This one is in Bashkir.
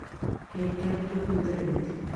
Һәйкәл түгелдер бит?